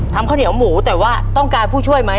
ข้าวเหนียวหมูแต่ว่าต้องการผู้ช่วยไหม